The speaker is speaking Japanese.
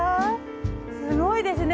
すごいですね